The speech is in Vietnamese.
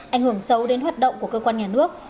ảnh hưởng sâu đến hoạt động của cơ quan nhà nước